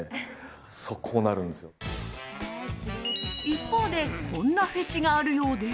一方でこんなフェチがあるようで。